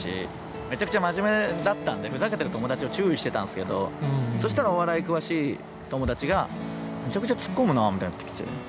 めちゃくちゃ真面目だったんでふざけてる友達を注意してたんですけどそうしたら、お笑い詳しい友達がめちゃくちゃツッコむなぁみたいになってきて。